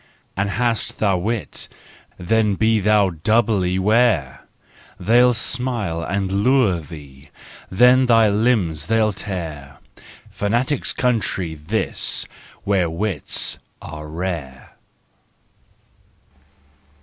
An hast thou wit, then be thou doubly ware! They'll smile and lure thee; then thy limbs they'll tear: Fanatics' country this where wits are rare!